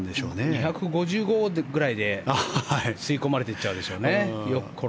２５５ぐらいで吸い込まれていっちゃうでしょうね